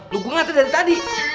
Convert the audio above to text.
lo gue ngantri dari tadi